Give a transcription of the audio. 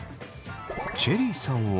チェリーさんは。